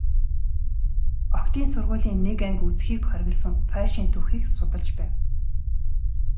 Охидын сургуулийн нэг анги үзэхийг хориглосон польшийн түүхийг судалж байв.